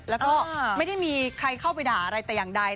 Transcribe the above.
แล้วก็ไม่ได้มีใครเข้าไปด่าอะไรแต่อย่างใด